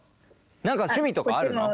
何か趣味とかあるの？